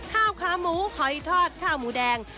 ข้าวขาหมูหอยทอดข้าวหมูแดง